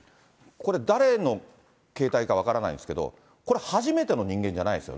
これ、誰の携帯か分からないんですけど、これ、初めての人間じゃないです